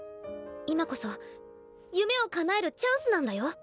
今こそ夢を叶えるチャンスなんだよ？